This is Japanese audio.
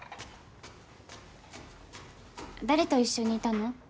誰と一緒にいたの？